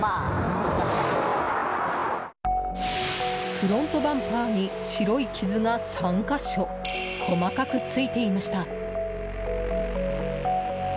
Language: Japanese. フロントバンパーに白い傷が３か所細かく付いていました。